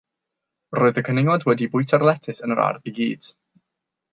Roedd y cwningod wedi bwyta'r letys yn yr ardd i gyd.